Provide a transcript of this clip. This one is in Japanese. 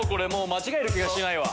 間違える気がしないわ。